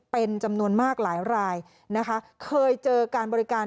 เป็นจำนวนมากหลายรายนะคะเคยเจอการบริการ